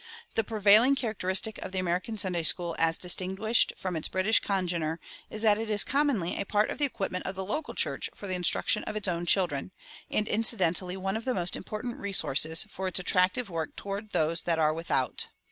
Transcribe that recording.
The prevailing characteristic of the American Sunday school as distinguished from its British congener is that it is commonly a part of the equipment of the local church for the instruction of its own children, and incidentally one of the most important resources for its attractive work toward those that are without.